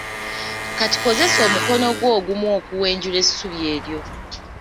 Kati kozesa omukono gwo ogumu okuwenjula essubi eryo.